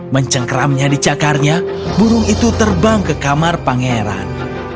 mencengkramnya di cakarnya burung itu terbang ke kamar pangeran